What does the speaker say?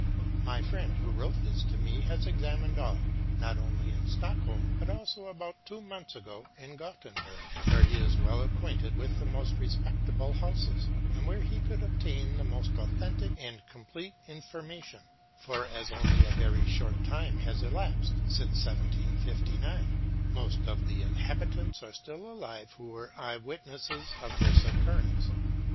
My friend who wrote this to me has examined all, not only in Stockholm, but also, about two months ago, in Gottenburg, where he is well acquainted with the most respectable houses, and where he could obtain the most authentic and complete information, for as only a very short time has elapsed since 1759, most of the inhabitants are still alive who were eye witnesses of this occurrence.